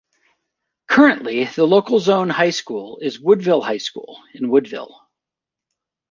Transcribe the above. Currently, the local zone high school is Woodville High School, in Woodville.